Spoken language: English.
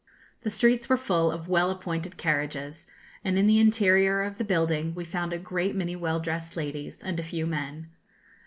The streets were full of well appointed carriages, and in the interior of the building we found a great many well dressed ladies, and a few men.